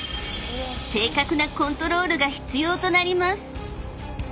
［正確なコントロールが必要となります］